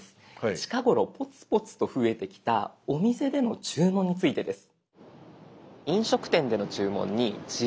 近頃ポツポツと増えてきたお店での注文についてです。